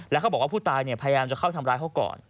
แล้วเขาบอกว่าผู้ตายพยายามจะเข้าทำร้ายเขาก่อน